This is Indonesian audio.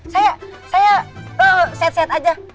saya saya sehat sehat aja